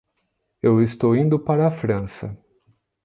Eu estou indo para a França.